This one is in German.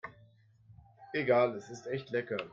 Egal, es ist echt lecker.